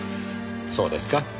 そうですか？